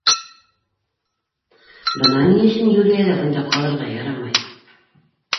Бына ни өсөн Юлияға бында ҡалырға ярамай.